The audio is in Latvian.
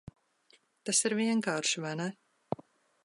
Tas ir vienkārši, vai ne?